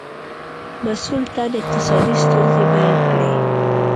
مسئول تن اقتصادي ستونزې بیان کړې.